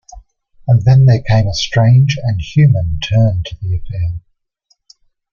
And then there came a strange and human turn to the affair.